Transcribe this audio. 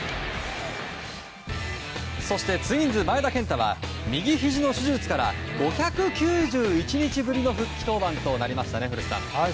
そしてツインズ、前田健太は右ひじの手術から５９１日ぶりの復帰登板となりました古田さん。